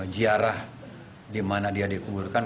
ziarah di mana dia dikuburkan